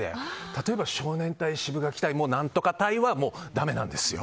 例えば少年隊、シブがき隊何とか隊はもうだめなんですよ。